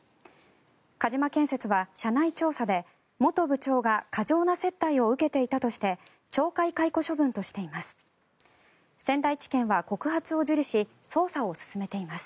鹿島建設は社内調査で、元部長が過剰な接待を受けていたとして懲戒解雇処分としています。